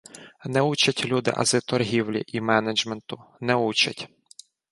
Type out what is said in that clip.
Не учать люди ази торгівлі і менеджменту, не учать